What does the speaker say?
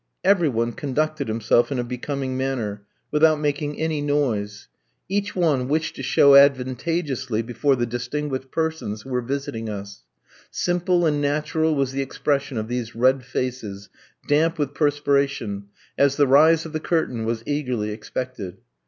Every one conducted himself in a becoming manner, without making any noise. Each one wished to show advantageously before the distinguished persons who were visiting us. Simple and natural was the expression of these red faces, damp with perspiration, as the rise of the curtain was eagerly expected.